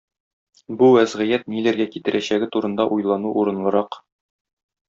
Бу вәзгыять ниләргә китерәчәге турында уйлану урынлырак.